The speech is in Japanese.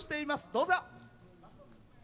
どうぞ。